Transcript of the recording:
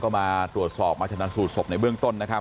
ก็มาตรวจสอบมาชนะสูตรศพในเบื้องต้นนะครับ